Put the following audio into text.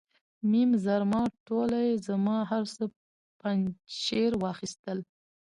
میم زرما ټوله یې زما، هر څه پنجشیر واخیستل.